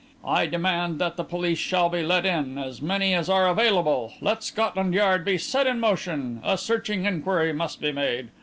I demand that the police shall be called in as many as are available. Let Scotland Yard be set in motion. A searching inquiry must be made.